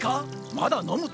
まだ飲むと？